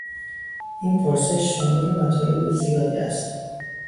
این پرسش شامل مطالب زیادی است.